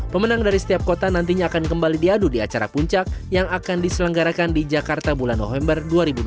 pemenang dari setiap kota nantinya akan kembali diadu di acara puncak yang akan diselenggarakan di jakarta bulan november dua ribu dua puluh